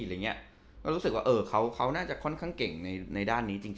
เรารู้สึกว่าเขาน่าจะค่อนข้างเก่งในด้านนี้จริง